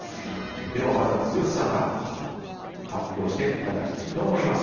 ではまずは剛さんから発表していただきたいと思います。